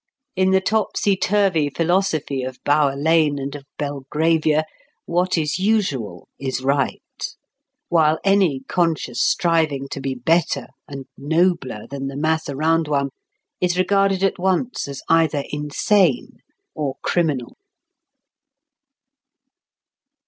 In the topsy turvy philosophy of Bower Lane and of Belgravia, what is usual is right; while any conscious striving to be better and nobler than the mass around one is regarded at once as either insane or criminal.